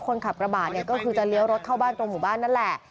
คนขับกระบาดเนี่ยก็คือจะเลี้ยวรถเข้าบ้านตรงหมู่บ้านนั่นแหละ